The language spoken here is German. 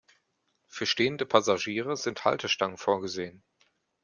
Für stehende Passagiere sind Haltestangen vorgesehen.